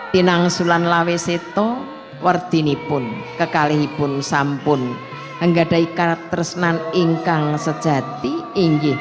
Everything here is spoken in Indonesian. tinang sulan lawe seto wardini pun kekalih pun sampun enggak daikat tersenan ingkang sejati ingih